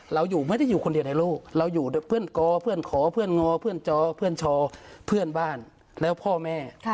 เราอยู่ไม่ได้อยู่คนเดียวในโลกเราอยู่เพื่อนกอเพื่อนขอเพื่อนงอเพื่อนจอเพื่อนชอเพื่อนบ้านแล้วพ่อแม่